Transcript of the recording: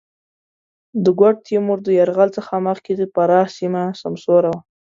د ګوډ تېمور د یرغل څخه مخکې د فراه سېمه سمسوره وه.